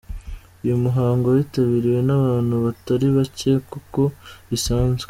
Uyu muhango witabiriwe n’abantu batari bake nk’uko bisanzwe.